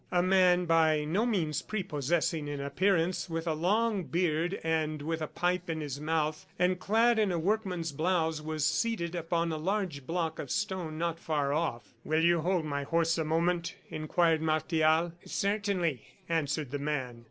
A man, by no means prepossessing in appearance, with a long beard, and with a pipe in his mouth, and clad in a workman's blouse, was seated upon a large block of stone not far off. "Will you hold my horse a moment?" inquired Martial. "Certainly," answered the man.